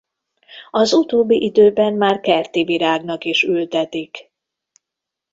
Az utóbbi időben már kerti virágnak is ültetik.